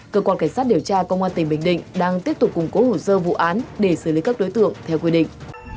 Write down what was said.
cơ quan cảnh sát điều tra công an tỉnh bình định đang tiếp tục củng cố hồ sơ vụ án để xử lý các đối tượng theo quy định